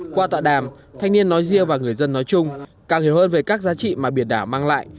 qua tọa đàm thanh niên nói riêng và người dân nói chung càng hiểu hơn về các giá trị mà biển đảo mang lại